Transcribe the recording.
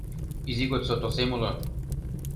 Изи годсо тосем уло